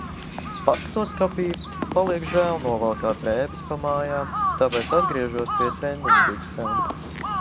Paskatos skapī, paliek žēl novalkāt drēbes pa mājām, tāpēc atgriežos pie treniņbiksēm.